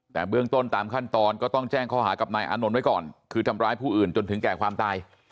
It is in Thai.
แต่เบื้องต้นตามขั้นตอนก็ต้องแจ้งข้อหากับนายอานนท์ไว้ก่อนคือทำร้ายผู้อื่นจนถึงแก่ความตาย